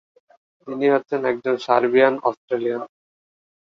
তিনি হচ্ছেন একজন সার্বিয়ান-অস্ট্রেলিয়ান।